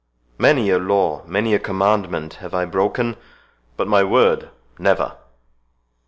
Many a law, many a commandment have I broken, but my word never."